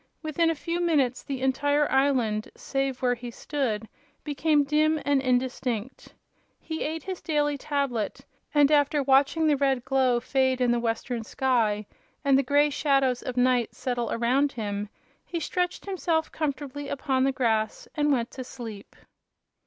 Within a few minutes the entire island, save where he stood, became dim and indistinct. He ate his daily tablet, and after watching the red glow fade in the western sky and the gray shadows of night settle around him he stretched himself comfortably upon the grass and went to sleep.